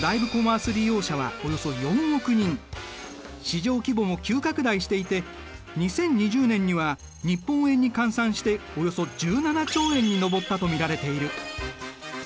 市場規模も急拡大していて２０２０年には日本円に換算しておよそ１７兆円に上ったと見られている。